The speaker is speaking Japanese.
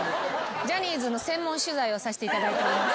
ジャニーズの専門取材をさしていただいております。